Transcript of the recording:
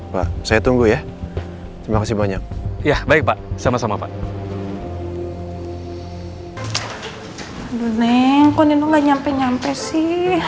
pak saya tunggu ya terima kasih banyak ya baik pak sama sama pak aduh neng kononnya sampai sampai